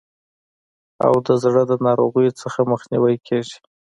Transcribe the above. او د زړه د ناروغیو څخه مخنیوی کیږي.